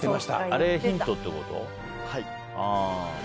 あれ、ヒントってこと？